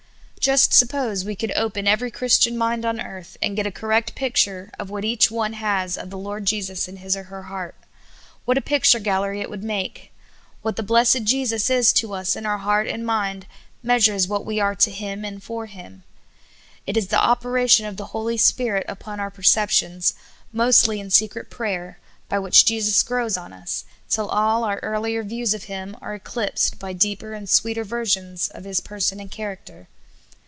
Just suppose we could open every Christian mind on earth, and get a correct picture of w4iat each one has of the Lord Jesus in his or her heart. What a picture gallery it would make ! What the blessed Jesus is to us in our heart and mind, measures what we are to Him and for Him. It is the operation of the Holy Spirit upon our perceptions, mostly in se cret prayer, by which Jesus grows on us, till all our earlier views of Him are eclipsed by deeper and sweeter visions of His person and character.